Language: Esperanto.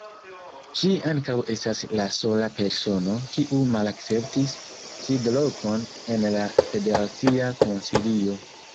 Ŝi ankaŭ estas la sola persono, kiu malakceptis sidlokon en la Federacia Konsilio.